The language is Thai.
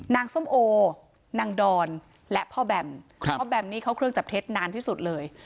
ส้มโอนางดอนและพ่อแบมพ่อแบมนี่เข้าเครื่องจับเท็จนานที่สุดเลย